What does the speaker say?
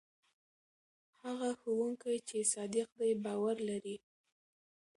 هغه ښوونکی چې صادق دی باور لري.